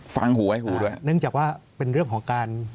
ฟังหูไว้หูด้วยเนื่องจากว่าเป็นเรื่องของการ